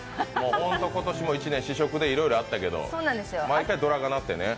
ホント今年も１年、試食でいろいろあったけど、毎回、銅鑼が鳴ってね。